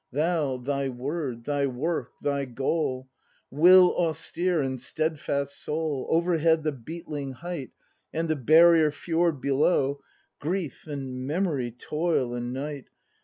Thou, thy word, thy work, thy goal. Will austere, and steadfast soul. Overhead the beetling height. And the barrier fjord below, Grief and memory, toil and night.